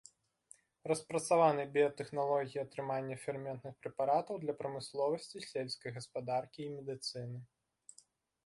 Распрацаваны біятэхналогіі атрымання ферментных прэпаратаў для прамысловасці, сельскай гаспадаркі і медыцыны.